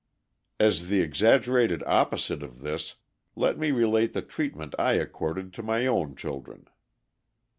As the exaggerated opposite of this, let me relate the treatment I accorded to my own children.